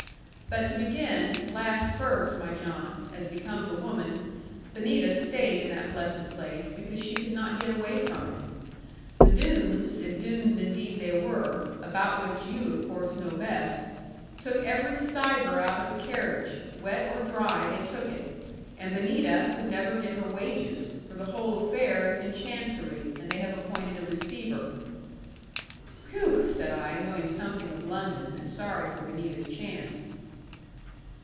But to begin, last first, my John (as becomes a woman): Benita stayed in that blessed place, because she could not get away from it. The Doones if Doones indeed they were, about which you of course know best took every stiver out of the carriage: wet or dry they took it. And Benita could never get her wages: for the whole affair is in Chancery, and they have appointed a receiver.' 'Whew!' said I, knowing something of London, and sorry for Benita's chance.